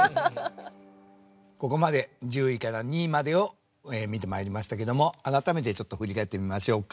ここまで１０位から２位までを見てまいりましたけども改めてちょっと振り返ってみましょうか。